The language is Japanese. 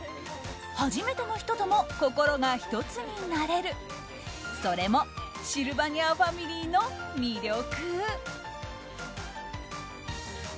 初めての人とも心が１つになれるそれもシルバニアファミリーの魅力。